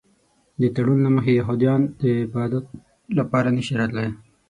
د تړون له مخې یهودان د عبادت لپاره نه شي راتلی.